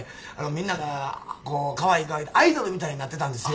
みんながかわいいかわいいてアイドルみたいになってたんですよ。